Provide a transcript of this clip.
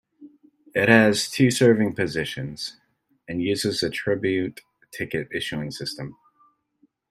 It has two serving positions and uses the Tribute ticket issuing system.